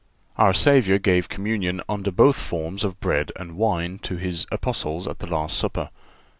Our Savior gave communion under both forms of bread and wine to His Apostles at the last Supper.